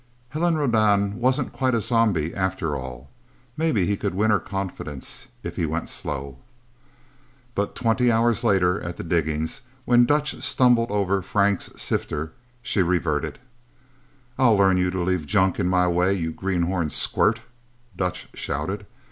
Helen Rodan wasn't quite a zombie, after all. Maybe he could win her confidence, if he went slow... But twenty hours later, at the diggings, when Dutch stumbled over Frank's sifter, she reverted. "I'll learn you to leave junk in my way, you greenhorn squirt!" Dutch shouted.